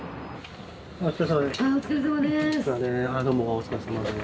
お疲れさまです。